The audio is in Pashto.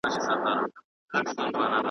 یو جهاني نه یم چي په دام یې کښېوتلی یم .